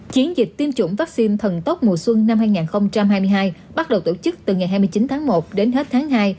chiến dịch tiêm chủng vaccine thần tốc mùa xuân năm hai nghìn hai mươi hai bắt đầu tổ chức từ ngày hai mươi chín tháng một đến hết tháng hai